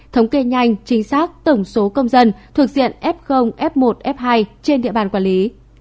thống kê nhanh chính xác tổng số công dân thuộc diện f f một f hai trên địa bàn quản lý